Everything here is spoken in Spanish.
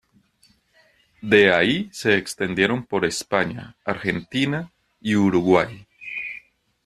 De ahí se extendieron por España, Argentina y Uruguay.